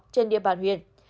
trên địa bàn huyện